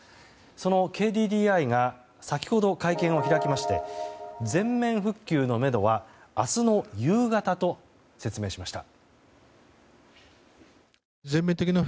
そのＫＤＤＩが先ほど会見を開きまして全面復旧のめどは明日の夕方と説明しました。